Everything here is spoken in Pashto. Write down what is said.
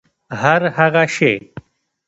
هرهغه شی